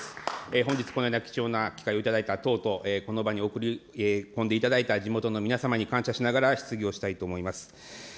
本日、このような貴重な機会を頂いた等々、本日の場に送り込んでいただいた皆様に感謝しながら質疑をしたいと思います。